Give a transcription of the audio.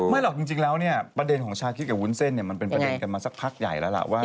หรอกจริงแล้วเนี่ยประเด็นของชาคิดกับวุ้นเส้นเนี่ยมันเป็นประเด็นกันมาสักพักใหญ่แล้วล่ะว่า